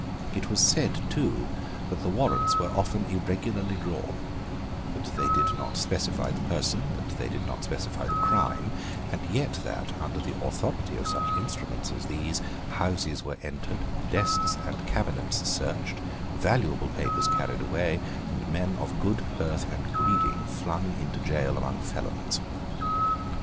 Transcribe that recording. It was said too, that the warrants were often irregularly drawn, that they did not specify the person, that they did not specify the crime, and yet that, under the authority of such instruments as these, houses were entered, desks and cabinets searched, valuable papers carried away, and men of good birth and breeding flung into gaol among felons.